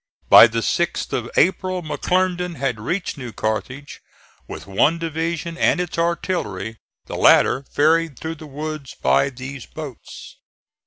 By the 6th of April McClernand had reached New Carthage with one division and its artillery, the latter ferried through the woods by these boats.